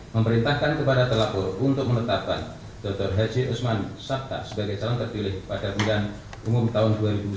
empat memberintahkan kepada telapur untuk menetapkan dr haji osman sattar sebagai calon terpilih pada bumi tahun dua ribu sembilan belas